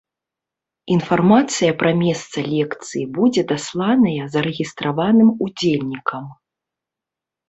Інфармацыя пра месца лекцыі будзе дасланая зарэгістраваным удзельнікам.